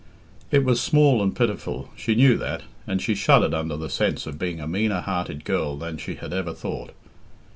It was small and pitiful, she knew that, and she shuddered under the sense of being a meaner hearted girl than she had ever thought.